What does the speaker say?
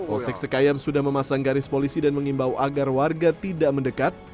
osek sekayam sudah memasang garis polisi dan mengimbau agar warga tidak mendekat